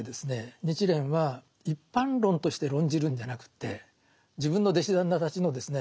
日蓮は一般論として論じるんじゃなくて自分の弟子たちのですね